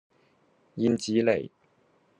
燕子里